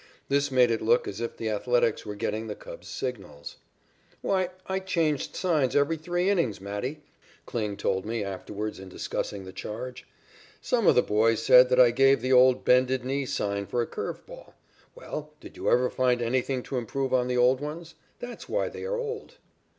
This made it look as if the Athletics were getting the Cubs' signals. "Why, I changed signs every three innings, Matty," Kling told me afterwards in discussing the charge. "Some of the boys said that I gave the old bended knee sign for a curve ball. Well, did you ever find anything to improve on the old ones? That's why they are old."